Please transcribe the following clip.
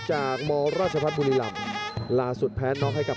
พยายามจะไถ่หน้านี่ครับการต้องเตือนเลยครับ